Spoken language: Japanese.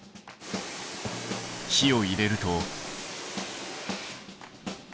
火を入れると。